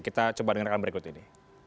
kita coba dengar hal berikut ini